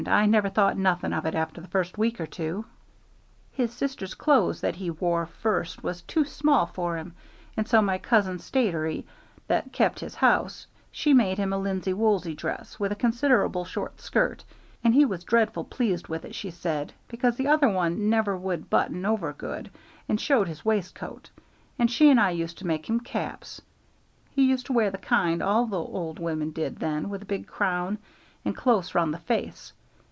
I never thought nothing of it after the first week or two. "His sister's clothes that he wore first was too small for him, and so my cousin Statiry, that kep' his house, she made him a linsey woolsey dress with a considerable short skirt, and he was dreadful pleased with it, she said, because the other one never would button over good, and showed his wais'coat, and she and I used to make him caps; he used to wear the kind all the old women did then, with a big crown, and close round the face.